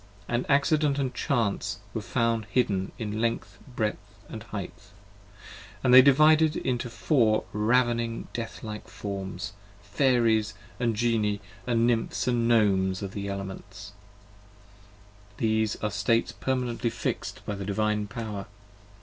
And Accident & Chance were found hidden in Length, Bredth & Highth: 35 And they divided into Four ravening deathlike Forms, Fairies & Genii & Nymphs & Gnomes of the Elements: These are States Permanently Fixed by the Divine Power.